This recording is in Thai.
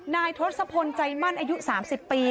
ทศพลใจมั่นอายุ๓๐ปี